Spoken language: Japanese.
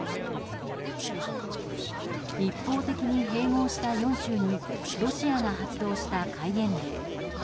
一方的に併合した４州にロシアが発動した戒厳令。